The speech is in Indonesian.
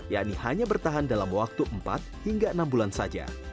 yakni hanya bertahan dalam waktu empat hingga enam bulan saja